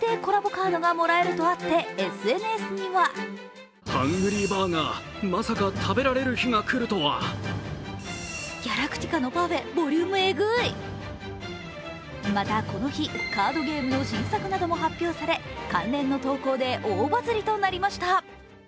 カードがもらえるとあってＳＮＳにはまたこの日、カードゲームの新作なども発表され関連の投稿で大バズリとなりました。